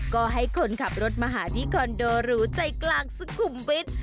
ก็ให้คนขับรถมาหาที่คอนโดรูใจกลางซึ่งกลุ่มปิด